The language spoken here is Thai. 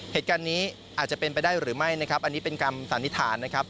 เหตุการณ์นี้อาจจะเป็นไปได้หรือไม่นะครับอันนี้เป็นคำสันนิษฐานนะครับ